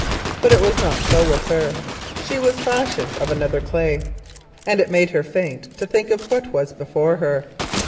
But it was not so with her; she was fashioned of another clay, and it made her faint to think of what was before her.